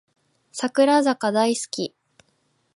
櫻坂大好き